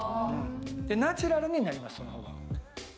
ナチュラルになります、その方が。